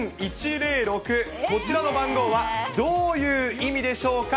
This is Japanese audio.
１４１０６、こちらの番号は、どういう意味でしょうか。